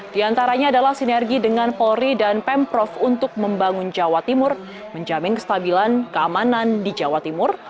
di antaranya adalah sinergi dengan polri dan pemprov untuk membangun jawa timur menjamin kestabilan keamanan di jawa timur